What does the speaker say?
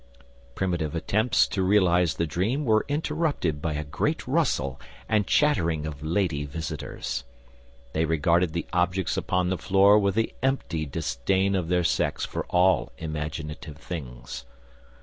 Primitive attempts to realise the dream were interrupted by a great rustle and chattering of lady visitors. They regarded the objects upon the floor with the empty disdain of their sex for all imaginative things.